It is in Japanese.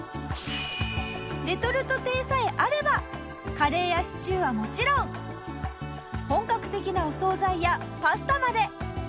レトルト亭さえあればカレーやシチューはもちろん本格的なお総菜やパスタまで。